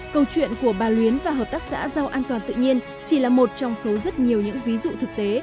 câu chuyện của bà luyến và hợp tác xã rau an toàn tự nhiên chỉ là một trong số rất nhiều những ví dụ thực tế